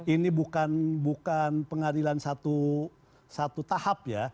ini bukan pengadilan satu tahap ya